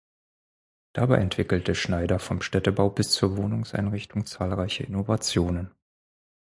Dabei entwickelte Schneider vom Städtebau bis zur Wohnungseinrichtung zahlreiche Innovationen.